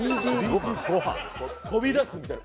飛び出すみたいな。